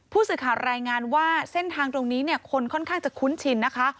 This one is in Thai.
ผู้สื่อข่าวรายงานว่าเส้นทางตรงนี้เนี่ยคนค่อนข้างจะคุ้นชินนะคะ